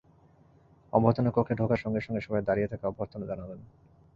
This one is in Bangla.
অভ্যর্থনাকক্ষে ঢোকার সঙ্গে সঙ্গে সবাই দাঁড়িয়ে তাঁকে অভ্যর্থনা জানালেন।